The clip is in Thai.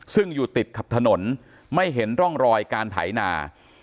ซึ่งอยู่ติดกับถนนไม่เห็นร่องรอยการไถนา